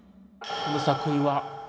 この作品は。